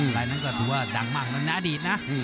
รายนั้นก็ถือว่าดังมากเหมือนในอดีตนะ